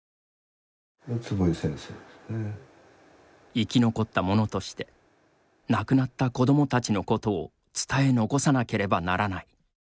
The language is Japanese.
生き残った者として亡くなった子どもたちのことを伝え残さなければならない。